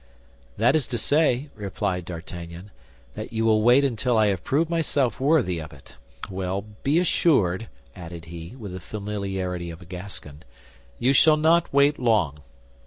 "That is to say," replied D'Artagnan, "that you will wait until I have proved myself worthy of it. Well, be assured," added he, with the familiarity of a Gascon, "you shall not wait long."